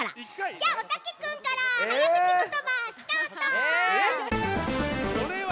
じゃあおたけくんからはやくちことばスタート！